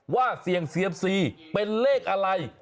ว่าเสียงเศียบซีเป็นเลขอะไร